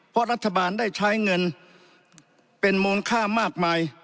เพราะรัฐบาลได้ใช้เงินเป็นมูลค่ามากมาย